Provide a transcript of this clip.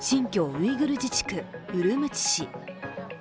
ウイグル自治区ウルムチ市。